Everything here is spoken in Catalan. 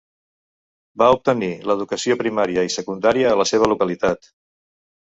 Va obtenir l' educació primària i secundària a la seva localitat.